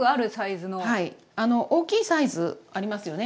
大きいサイズありますよね？